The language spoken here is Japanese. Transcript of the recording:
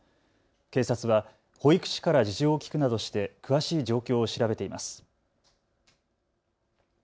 警察は保育士から事情を聞くなどして詳しい状況を調べています。